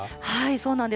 そうなんです。